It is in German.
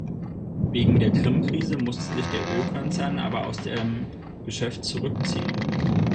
Wegen der Krimkrise musste sich der Ölkonzern aber aus dem Geschäft zurückziehen.